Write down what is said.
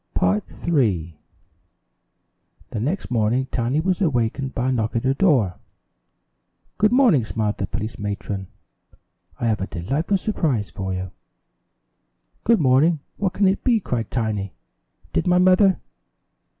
Tiny is Adopted The next morning Tiny was awakened by a knock at her door. "Good morning," smiled the police matron. "I have a delightful surprise for you." "Good morning. What can it be?" cried Tiny. "Did my mother